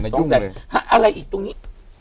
อะไรอีกตรงนี้